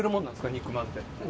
肉まんって。